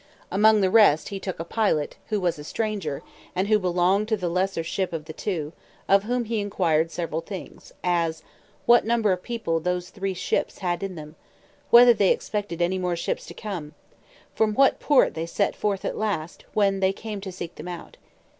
Among the rest, he took a pilot, who was a stranger, and who belonged to the lesser ship of the two, of whom he inquired several things; as, What number of people those three ships had in them? Whether they expected any more ships to come? From what port they set forth last, when they came to seek them out?